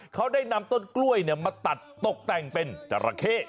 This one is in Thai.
เขาได้นำต้นกล้วยมาตัดตกแต่งเป็นจราเข้